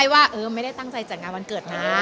ว่าไม่ได้ตั้งใจจัดงานวันเกิดนะ